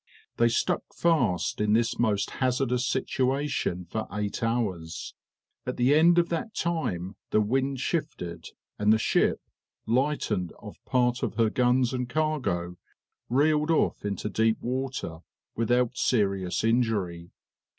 They stuck fast in this most hazardous situation for eight hours. At the end of that time the wind shifted, and the ship, lightened of part of her guns and cargo, reeled off into deep water, without serious injury.